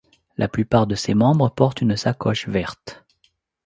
La plupart de ses membres portent une sacoche verte.